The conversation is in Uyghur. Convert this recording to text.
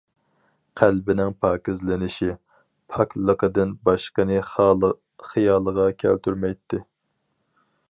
قەلبىنىڭ پاكىزلىنىشى، پاكلىقىدىن باشقىنى خىيالىغا كەلتۈرمەيتتى.